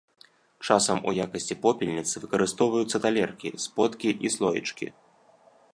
Часам у якасці попельніцы выкарыстоўваюцца талеркі, сподкі і слоічкі.